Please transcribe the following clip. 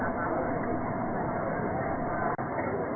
ก็จะมีอันดับอันดับอันดับอันดับอันดับ